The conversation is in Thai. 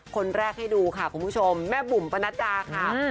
คนแรกให้ดูค่ะคุณผู้ชมแม่บุ๋มปนัดดาค่ะ